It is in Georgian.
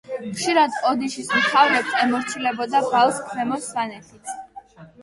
ხშირად ოდიშის მთავრებს ემორჩილებოდა ბალს ქვემო სვანეთიც.